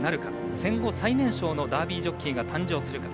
戦後、最年少のダービージョッキーが誕生するか。